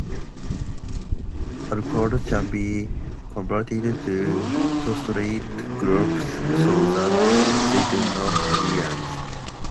Alcohols can be converted to tosylate groups so that they do not react.